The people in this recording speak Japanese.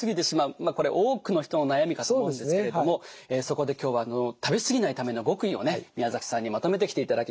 まあこれ多くの人の悩みかと思うんですけれどもそこで今日は食べ過ぎないための極意をね宮崎さんにまとめてきていただきました。